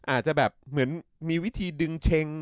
อาจจะแบบเหมือนมีวิธีดึงเช็ง